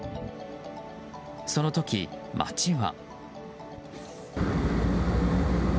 その時、街は。